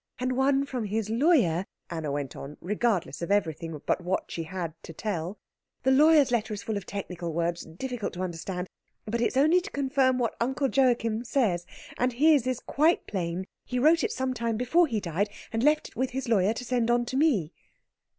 " and one from his lawyer," Anna went on, regardless of everything but what she had to tell. "The lawyer's letter is full of technical words, difficult to understand, but it is only to confirm what Uncle Joachim says, and his is quite plain. He wrote it some time before he died, and left it with his lawyer to send on to me."